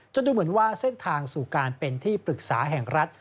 ดูเหมือนว่าเส้นทางสู่การเป็นที่ปรึกษาแห่งรัฐ